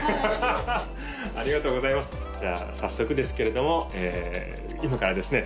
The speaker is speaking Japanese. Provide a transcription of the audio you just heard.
はいありがとうございますじゃあ早速ですけれども今からですね